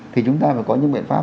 thì chúng ta phải có những biện pháp